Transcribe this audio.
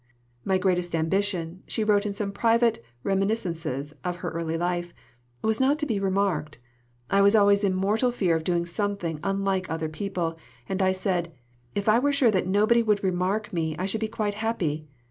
"My greatest ambition," she wrote in some private reminiscences of her early life, "was not to be remarked. I was always in mortal fear of doing something unlike other people, and I said, 'If I were sure that nobody would remark me I should be quite happy.'